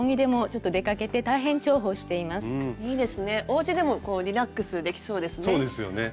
おうちでもリラックスできそうですね。